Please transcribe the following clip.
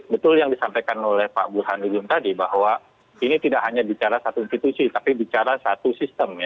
betul yang disampaikan oleh pak burhanuddin tadi bahwa ini tidak hanya bicara satu institusi tapi bicara satu sistem ya